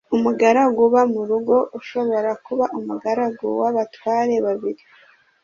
Umugaragu uba mu rugo ushobora kuba umugaragu w’abatware babiri